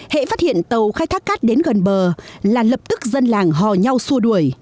hệ phát hiện tàu khai thác cát đến gần bờ là lập tức dân làng hò nhau xua đuổi